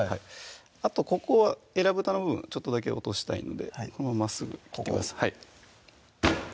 あとここはえらぶたの部分ちょっとだけ落としたいのでこのまままっすぐ切ってください